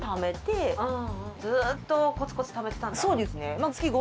ずっとコツコツためてたんだ。